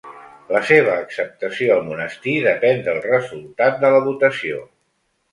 La seva acceptació al monestir depèn del resultat de la votació.